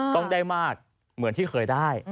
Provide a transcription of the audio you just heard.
ต้องได้มากเหมือนที่เคยได้